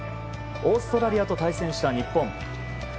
オーストラリアと対戦した日本。